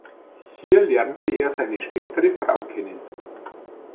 Hier lernte er seine spätere Frau kennen.